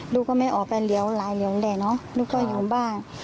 ลูกก็ไม่ออกไปเหลียวหลายเหลียวแหละเนอะลูกก็อยู่บ้าน